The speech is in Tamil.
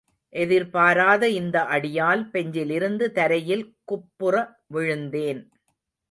எதிர்பாராத இந்த அடியால் பெஞ்சிலிருந்து தரையில் குப்புற விழுந்தேன்.